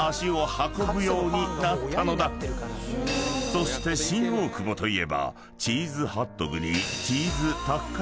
［そして新大久保といえば］